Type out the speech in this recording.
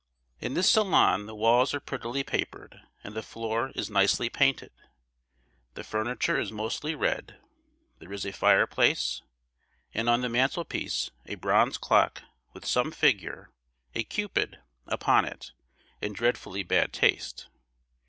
In this salon the walls are prettily papered, and the floor is nicely painted; the furniture is mostly red; there is a fireplace, and on the mantelpiece a bronze clock with some figure—a Cupid—upon it, in dreadfully bad taste.